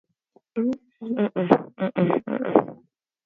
The tightness of the garments may also be seen as sexual bondage.